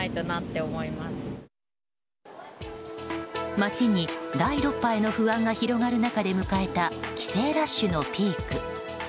街に、第６波への不安が広がる中で迎えた帰省ラッシュのピーク。